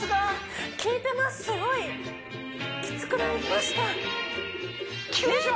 すごいきつくなりましたきくでしょ